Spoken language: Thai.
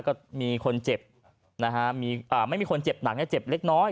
ก็มีคนเจ็บนะฮะไม่มีคนเจ็บหนักนะเจ็บเล็กน้อย